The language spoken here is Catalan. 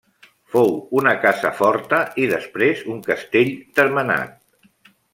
Fou una casa forta i després un castell termenat.